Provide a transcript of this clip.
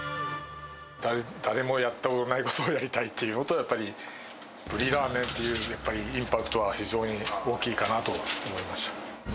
誰もやったことのないことをやりたいというのと、やっぱり、ブリラーメンっていう、やっぱり、インパクトは非常に大きいかなと思いました。